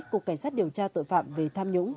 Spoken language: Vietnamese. cục cảnh sát điều tra tội phạm về tham nhũng